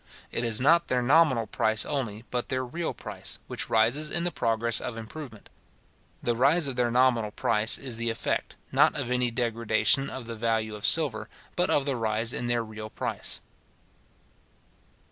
It is not their nominal price only, but their real price, which rises in the progress of improvement. The rise of their nominal price is the effect, not of any degradation of the value of silver, but of the rise in their real price.